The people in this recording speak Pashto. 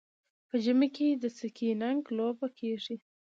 په ژمي کې د سکیینګ لوبه کیږي.